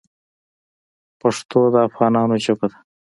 پښتو د افغانانو ژبه ده.